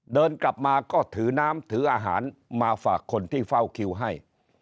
เดินกลับมาก็ถือน้ำถืออาหารมาฝากคนที่เฝ้าคิวให้